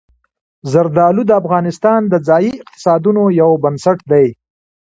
زردالو د افغانستان د ځایي اقتصادونو یو بنسټ دی.